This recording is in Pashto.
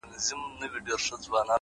بریا له تمرین سره وده کوي’